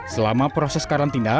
selama proses karantina